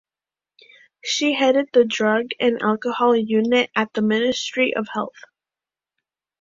She headed the drug and alcohol unit at the Ministry of Health.